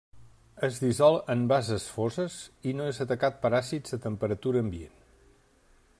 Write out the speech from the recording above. Es dissol en bases foses, i no és atacat per àcids a temperatura ambient.